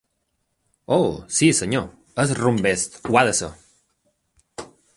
Oh! Sí, senyor, és rumb est, ho ha de ser!